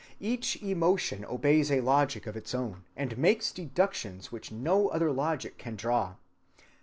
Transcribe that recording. Each emotion obeys a logic of its own, and makes deductions which no other logic can draw.